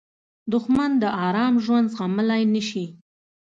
دښمن د آرام ژوند زغملی نه شي